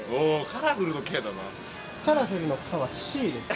カラフルの「カ」は「Ｃ」です。